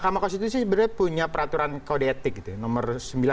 mk sebenarnya punya peraturan kode etik nomor sembilan dua ribu enam